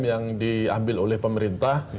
yang diambil oleh pemerintah